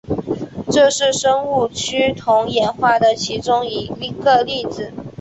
这是生物趋同演化的其中一个例子。